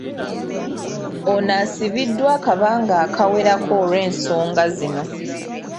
Ono asibiddwa akabanga akawerako olw'ensonga zino.